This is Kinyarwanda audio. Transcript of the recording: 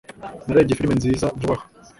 Narebye firime nziza vuba aha